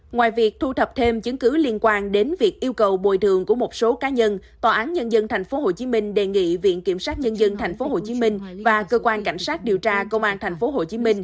ngoài việc thu thập thêm chứng cứ liên quan đến việc yêu cầu bồi thường của một số cá nhân tòa án nhân dân tp hcm đề nghị viện kiểm sát nhân dân tp hcm và cơ quan cảnh sát điều tra công an tp hcm